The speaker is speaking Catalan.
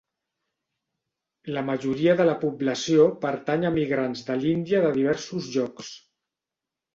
La majoria de la població pertany a emigrants de l'Índia de diversos llocs.